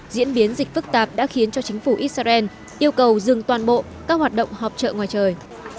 diễn biến dịch phức tạp đã khiến cho chính phủ israel yêu cầu dừng toàn bộ các hoạt động họp trợ ngoài trời